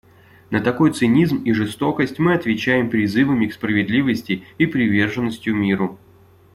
На такой цинизм и жестокость мы отвечаем призывами к справедливости и приверженностью миру.